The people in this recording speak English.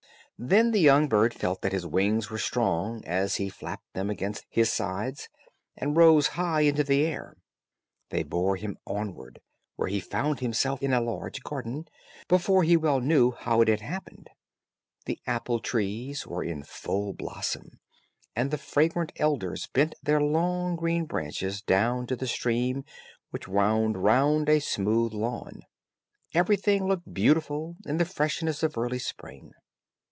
Then the young bird felt that his wings were strong, as he flapped them against his sides, and rose high into the air. They bore him onwards, until he found himself in a large garden, before he well knew how it had happened. The apple trees were in full blossom, and the fragrant elders bent their long green branches down to the stream which wound round a smooth lawn. Everything looked beautiful, in the freshness of early spring.